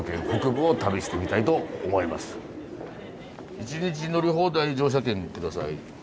１日乗り放題乗車券下さい。